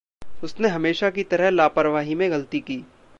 उसने हमेशा की तरह लापरवाही में ग़लती की।